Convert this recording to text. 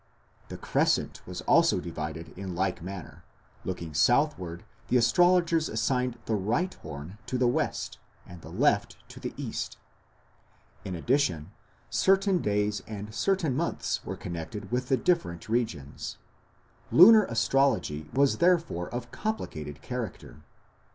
The crescent was also divided in like manner; looking southward the astrologers assigned the right horn to the west and the left to the east. In addition, certain days and certain months were connected with the different regions. Lunar astrology was therefore of complicated character.